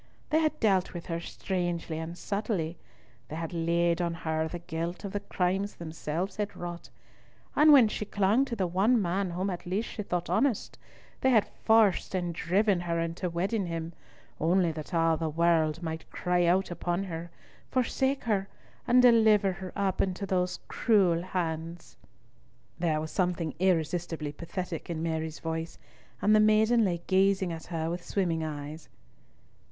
They had dealt with her strangely and subtilly; they had laid on her the guilt of the crimes themselves had wrought; and when she clung to the one man whom at least she thought honest, they had forced and driven her into wedding him, only that all the world might cry out upon her, forsake her, and deliver her up into those cruel hands." There was something irresistibly pathetic in Mary's voice, and the maiden lay gazing at her with swimming eyes.